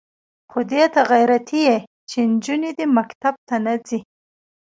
خو دې ته غیرتي یې چې نجونې دې مکتب ته نه ځي.